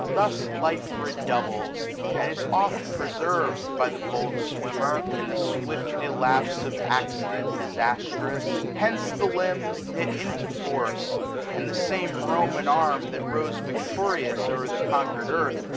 Thus life redoubles, and is ofc preserved, 1260 By the bold swimmer, in the swift illapse Of accident disastrous. Hence the limbs Knit into force ; and the same Roman arm. That rose victorious o'er the conquered earth.